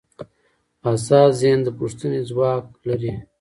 ازاد ذهن د پوښتنې ځواک لري.